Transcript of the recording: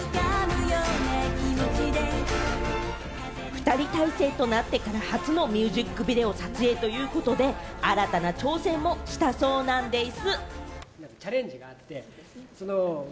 ２人体制となってから初のミュージックビデオ撮影ということで、新たな挑戦もしたそうなんでぃす。